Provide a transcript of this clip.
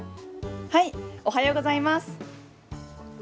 おはようございます。